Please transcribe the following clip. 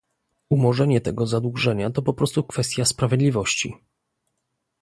Umorzenie tego zadłużenia to po prostu kwestia sprawiedliwości